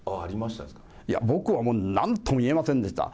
いや、僕はもう、なんとも言えませんでした。